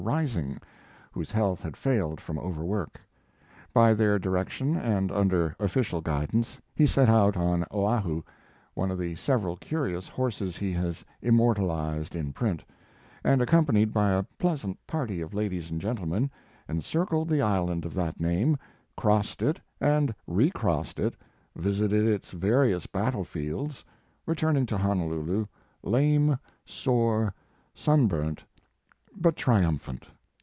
Rising, whose health had failed from overwork. By their direction, and under official guidance, he set out on Oahu, one of the several curious horses he has immortalized in print, and, accompanied by a pleasant party of ladies and gentlemen, encircled the island of that name, crossed it and recrossed it, visited its various battle fields, returning to Honolulu, lame, sore, sunburnt, but triumphant.